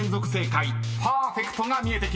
［パーフェクトが見えてきました］